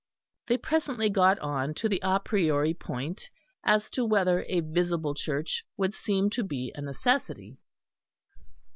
They presently got on to the a priori point as to whether a visible Church would seem to be a necessity.